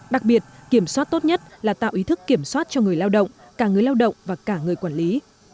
đặc biệt kiểm soát tốt nhất là tạo ý thức kiểm soát cho người lao động cả người lao động và cả người quản lý